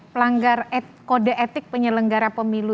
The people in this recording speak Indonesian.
pelanggar kode etik penyelenggara pemilu